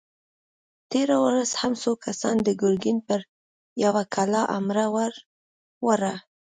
تېره ورځ هم څو کسانو د ګرګين پر يوه کلا حمله ور وړه!